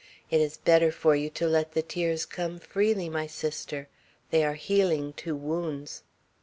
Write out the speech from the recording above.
It is better for you to let the tears come freely, my sister. They are healing to wounds."